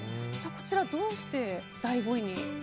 こちらはどうして第５位に？